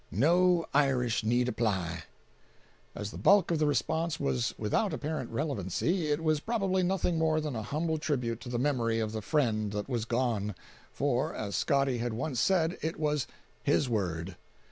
No Irish need apply." As the bulk of the response was without apparent relevancy, it was probably nothing more than a humble tribute to the memory of the friend that was gone; for, as Scotty had once said, it was "his word."